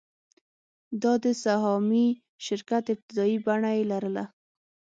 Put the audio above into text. دا د سهامي شرکت ابتدايي بڼه یې لرله.